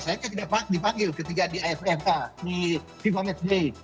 saya tidak panggil ketika di ffa fifa match day